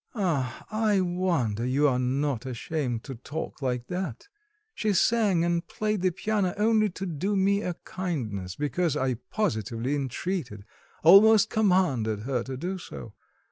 "Ah, I wonder you are not ashamed to talk like that! She sang and played the piano only to do me a kindness, because I positively entreated, almost commanded her to do so.